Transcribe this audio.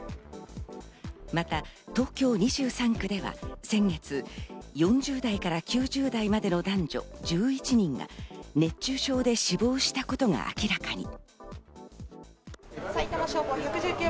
また東京２３区では先月、４０代から９０代までの男女１１人が熱中症で死亡したことが明らかに。